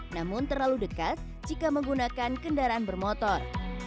namun terlalu dekat jika menggunakan kendaraan bermotor